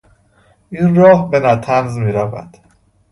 این راه به نطنز میرود.